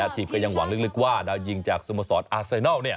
ทีมก็ยังหวังลึกว่าดาวยิงจากสโมสรอาไซนอล